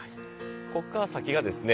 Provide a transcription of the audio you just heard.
ここから先がですね